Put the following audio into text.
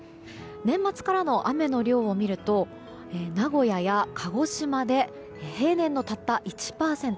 年末からの雨の量を見ると名古屋や鹿児島で平年のたった１％。